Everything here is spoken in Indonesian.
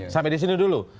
sampai disini dulu